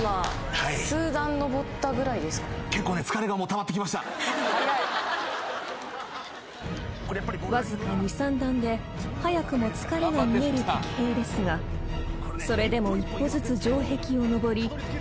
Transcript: ［わずか２３段で早くも疲れが見える敵兵ですがそれでも一歩ずつ城壁を登り攻めてまいります］